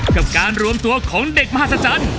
กับการรวมตัวของเด็กมหัศจรรย์